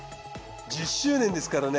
１０周年ですからね。